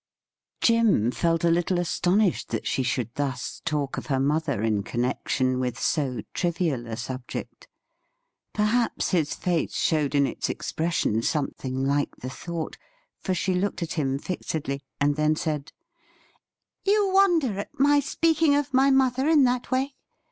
Jim felt a little astonished that she should thus talk of her mother in connection with so trivial a subject. Perhaps his face showed in its expression something like the thought, for she looked at him fixedly, and then said :' You wonder at my speaking of my mother in that way